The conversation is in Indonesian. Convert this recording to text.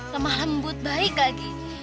lemah lembut baik lagi